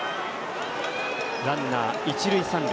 ランナー、一塁、三塁。